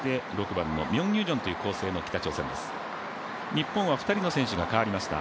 日本は２人の選手が代わりました。